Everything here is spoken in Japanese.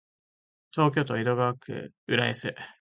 東京都江戸川区浦安